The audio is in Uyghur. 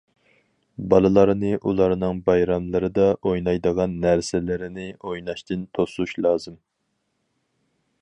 بالىلارنى ئۇلارنىڭ بايراملىرىدا ئوينايدىغان نەرسىلىرىنى ئويناشتىن توسۇش لازىم.